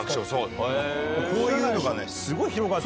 こういうのがねすごい広がって。